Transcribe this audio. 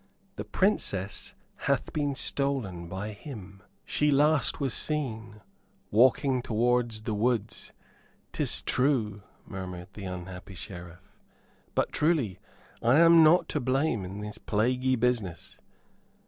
The Princess hath been stolen by him." "She last was seen walking towards the woods, 'tis true," murmured the unhappy Sheriff. "But, truly, I am not to blame in this plaguey business."